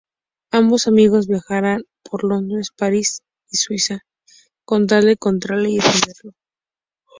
Ambos amigos viajarán por Londres, París y Suiza con tal de encontrarle y detenerlo.